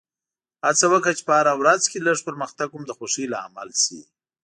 هڅه وکړه چې په هره ورځ کې لږ پرمختګ هم د خوښۍ لامل شي.